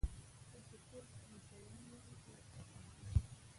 تاسو ټول هغه شیان لرئ چې ورته اړتیا لرئ.